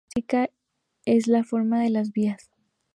Otra característica es la forma de las vías.